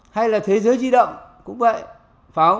hay là thế giới di động cũng vậy